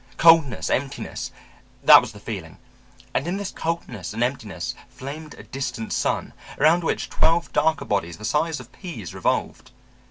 Coldness, emptiness that was the feeling. And in this coldness and emptiness flamed a distant sun, around which twelve darker bodies the size of peas revolved.